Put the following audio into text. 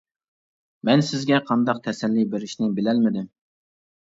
مەن سىزگە قانداق تەسەللى بېرىشنى بىلەلمىدىم.